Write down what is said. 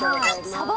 サバ。